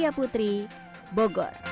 sitampu hebat dari bga yang saya ketemui hmm